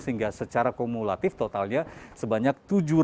sehingga secara kumulatif totalnya sebanyak